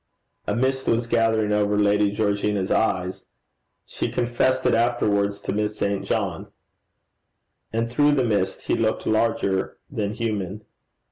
A mist was gathering over Lady Georgina's eyes. She confessed it afterwards to Miss St. John. And through the mist he looked larger than human.